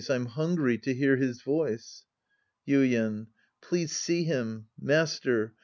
I'm hungry to hear his voice. Yuien. Please see him. Master.